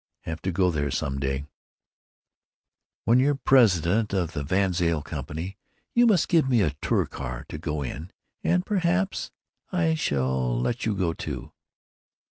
"Have to go there some day." "When you're president of the VanZile Company you must give me a Touricar to go in, and perhaps I shall let you go, too."